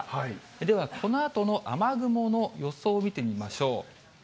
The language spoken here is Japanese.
ではこのあとの雨雲の予想見てみましょう。